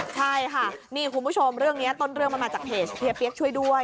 ใช่ค่ะนี่คุณผู้ชมเรื่องนี้ต้นเรื่องมันมาจากเพจเฮียเปี๊ยกช่วยด้วย